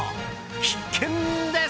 必見です！